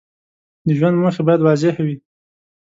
د ژوند موخې باید واضح وي.